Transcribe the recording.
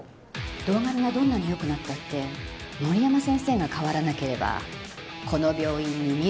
堂上がどんなによくなったって森山先生が変わらなければこの病院に未来はない。